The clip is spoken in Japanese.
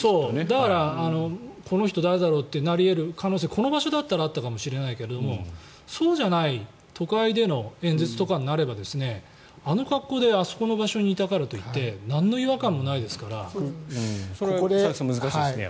だからこの人誰だろうってなり得る可能性この場所だったらあり得たかもしれないけどそうじゃない都会での演説とかになればあの格好であそこの場所にいたからといってそれは難しいですね。